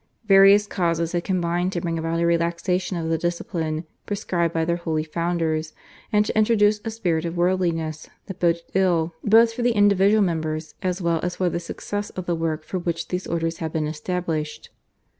Various causes had combined to bring about a relaxation of the discipline prescribed by their holy founders, and to introduce a spirit of worldliness, that boded ill both for the individual members as well as for the success of the work for which these orders had been established.